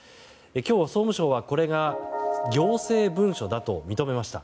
今日、総務省はこれが行政文書だと認めました。